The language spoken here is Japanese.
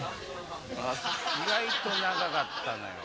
意外と長かったのよ。